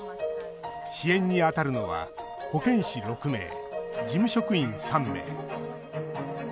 支援に当たるのは保健師６名、事務職員３名。